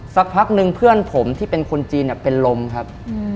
สักพักนึงเพื่อนผมที่เป็นคนจีนเป็นลมครับ